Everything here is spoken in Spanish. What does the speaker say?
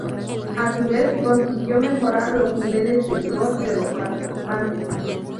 A su vez, consiguió mejorar los niveles de vigor de los participantes.